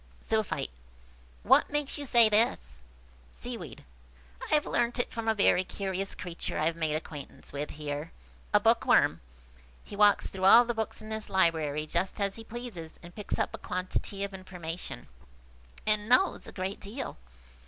Zoophyte. "What makes you say this?" Seaweed. "I have learnt it from a very curious creature I have made acquaintance with here–a bookworm. He walks through all the books in this library just as he pleases, and picks up a quantity of information, and knows a great deal.